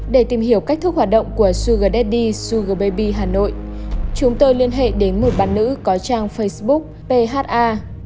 để tìm hiểu cách thức hoạt động của sugar daddy sugar baby hà nội chúng tôi liên hệ đến một bà nữ có trang facebook pha